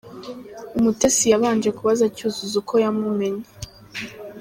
Umutesi yabanje kubaza Cyuzuzo uko yamumenye.